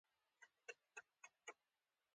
ایا زه باید بازار ته لاړ شم؟